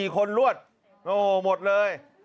๔คนรวดโอ้โหหมดเลย